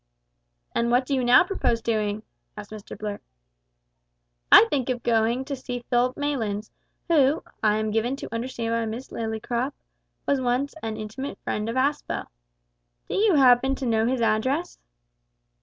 "And what do you now propose doing?" asked Mr Blurt. "I think of going to see Philip Maylands, who, I am given to understand by Miss Lillycrop, was once an intimate friend of Aspel. Do you happen to know his address?"